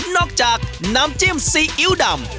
จากน้ำจิ้มซีอิ๊วดำ